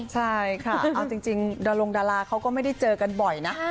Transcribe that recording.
ใช่ค่ะเอาจริงดารงดาราเขาก็ไม่ได้เจอกันบ่อยนะ